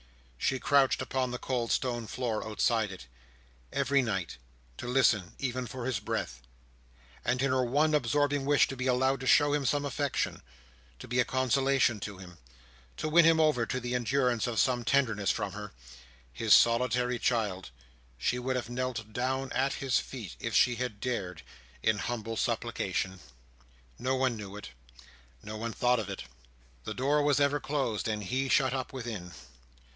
She crouched upon the cold stone floor outside it, every night, to listen even for his breath; and in her one absorbing wish to be allowed to show him some affection, to be a consolation to him, to win him over to the endurance of some tenderness from her, his solitary child, she would have knelt down at his feet, if she had dared, in humble supplication. No one knew it. No one thought of it. The door was ever closed, and he shut up within.